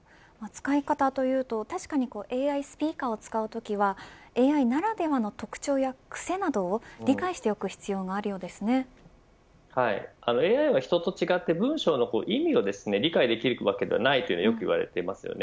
使い方というとＡＩスピーカーを使うときはＡＩならではの特徴やくせなどを理解しておくＡＩは人と違って文章の意味を理解できるわけではないとよくいわれています。